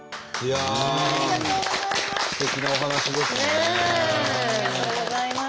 ありがとうございます。